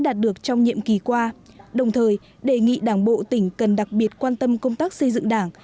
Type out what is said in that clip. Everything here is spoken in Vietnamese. đạt được trong nhiệm kỳ qua đồng thời đề nghị đảng bộ tỉnh cần đặc biệt quan tâm công tác xây dựng đảng